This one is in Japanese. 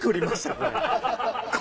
これ。